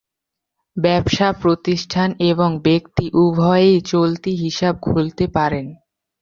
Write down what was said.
ব্যবসা প্রতিষ্ঠান এবং ব্যক্তি উভয়েই চলতি হিসাব খুলতে পারেন।